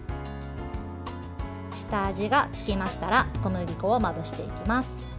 下味がつきましたら小麦粉をまぶしていきます。